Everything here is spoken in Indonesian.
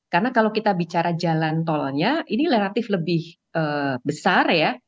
karena kalau kita bicara jalan tolnya ini relatif lebih besar ya